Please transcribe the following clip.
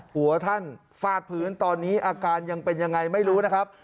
หัวท่านฟาดพื้นตอนนี้อาการยังเป็นยังไงไม่รู้นะครับ